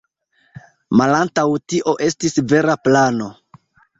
Malantaŭ tio estis vera plano.